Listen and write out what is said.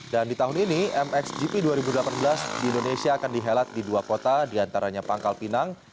dan di tahun ini mxgp dua ribu delapan belas di indonesia akan dihelat di dua kota diantaranya pangkal pinang